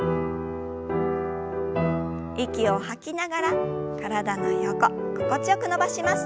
息を吐きながら体の横心地よく伸ばします。